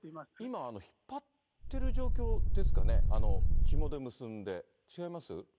今、引っ張ってる状況ですかね、ひもで結んで、違います？